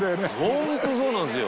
「ホントそうなんですよ」